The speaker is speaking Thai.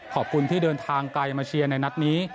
ขอบคุณที่เดินทางไกลมาเชียร์ในนัดนี้